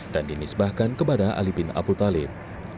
dan dinisbahkan kepada ali bin abu talib